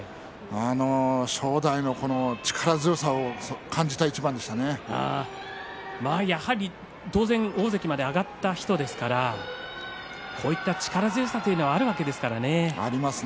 正代の力強さを感じたやはり当然大関まで上がった人ですからこういった力強さというのはありますね。